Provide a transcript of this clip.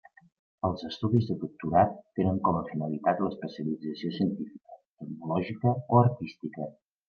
Els estudis de doctorat tenen com a finalitat l'especialització científica, tecnològica o artística.